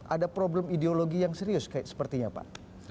ada problem ideologi yang serius sepertinya pak